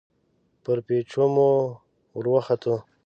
پر پېچومو ور وختو.